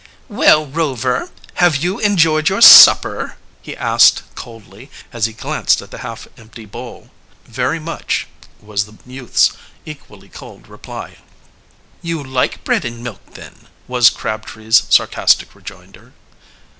"Well, Rover, have you enjoyed your supper?" he asked coldly, as he glanced at the half empty bowl. "Very much," was the youth's equally cold reply. "You like bread and milk, then," was Crabtree's sarcastic rejoinder.